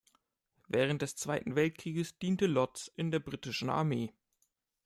Während des Zweiten Weltkrieges diente Lotz in der britischen Armee.